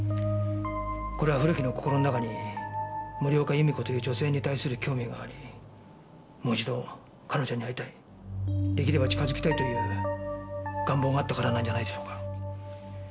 これは古木の心の中に森岡弓子という女性に対する興味がありもう一度彼女に会いたい出来れば近づきたいという願望があったからなんじゃないでしょうか。